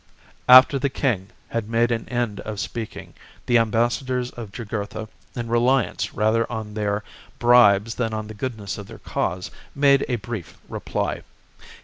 After the king had made an end of speaking, the chap. ambassadors of Jugurtha, in reliance rather on their bribes than on the goodness of their cause, made a brief reply.